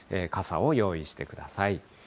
傘を用意してください。